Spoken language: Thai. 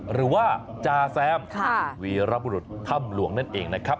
หรือว่าจาแซมวีรบุรุษถ้ำหลวงนั่นเองนะครับ